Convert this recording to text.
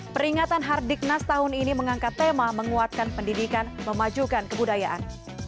peringatan hardiknas tahun ini mengangkat tema menguatkan pendidikan memajukan kebudayaan